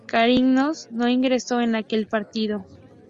Carlinhos no ingreso en aquel partido.